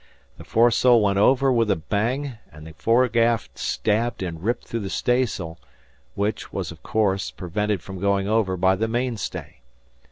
The foresail went over with a bang, and the foregaff stabbed and ripped through the staysail, which was, of course, prevented from going over by the mainstay.